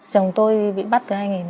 chồng tôi bị bắt từ hai nghìn năm